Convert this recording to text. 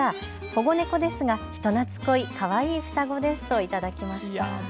保護猫ですが人なつっこいかわいい双子ですといただきました。